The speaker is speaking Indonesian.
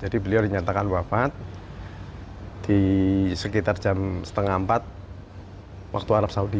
jadi beliau dinyatakan wafat di sekitar jam setengah empat waktu arab saudi